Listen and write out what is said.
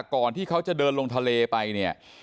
ก่อนที่เขาจะเดินลงทะเลไปเนี่ย